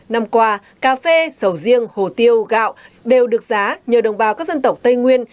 năm qua cà phê sầu riêng hồ tiêu gạo đều được giá nhờ đồng bào các dân tộc tây nguyên